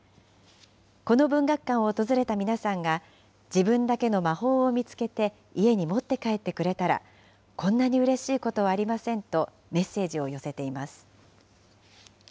この文学館を訪れた皆さんが、自分だけの魔法を見つけて家に持って帰ってくれたら、こんなにうれしいことはありませんと、メッセージを寄せています。